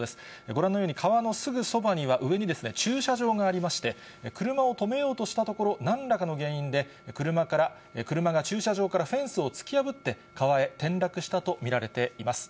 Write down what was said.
ご覧のように、川のすぐそばには、上に駐車場がありまして、車を止めようとしたところ、何らかの原因で、車が駐車場からフェンスを突き破って、川へ転落したと見られています。